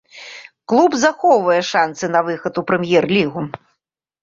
Клуб захоўвае шанцы на выхад у прэм'ер-лігу.